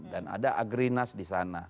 dan ada agrinas di sana